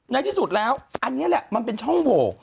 ในที่สุดแล้วอันนี้แหละมันเป็นช่องโหว